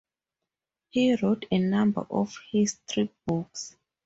He wrote a number of history books.